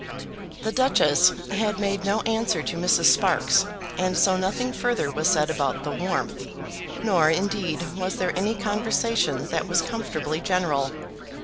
The Duchess had made no answer to Mrs. Sparkes, and so nothing further was said about the warmth. Nor, indeed, was there any conversation that was comfortably general.